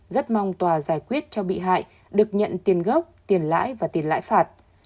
rất mong tòa giải quyết cho bị hại được nhận tiền gốc tiền lãi và tiền lãi phạt